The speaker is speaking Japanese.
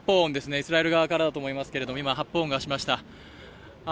イスラエル側からだと思いますが今、発砲音がしました。